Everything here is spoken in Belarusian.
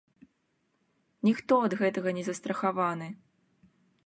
Ніхто ад гэтага не застрахаваны!